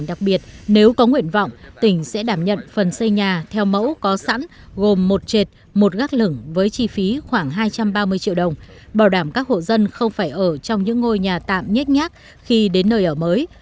đặc biệt nếu có nguyện vọng tỉnh sẽ đảm nhận phần xây nhà theo mẫu có sẵn gồm một trệt một gác lửng với chi phí khoảng hai trăm ba mươi triệu đồng bảo đảm các hộ dân không phải ở trong những ngôi nhà tạm nhét nhác khi đến nơi ở mới